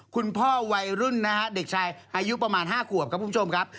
วัยรุ่นนะฮะเด็กชายอายุประมาณ๕ขวบครับคุณผู้ชมครับ